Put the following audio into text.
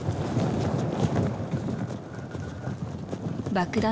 爆弾